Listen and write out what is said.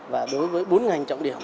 và đối với bốn ngành trọng điểm